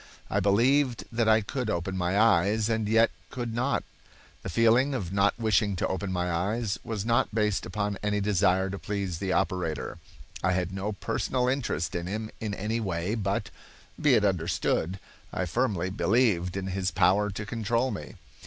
I believed that I could open my eyes, and yet could not. The feeling of not wishing to open my eyes was not based upon any desire to please the operator. I had no personal interest in him in any way, but, be it understood, I firmly believed in his power to control me.